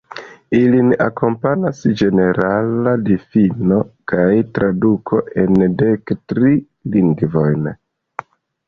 Ilin akompanas ĝenerala difino kaj traduko en dek tri lingvojn.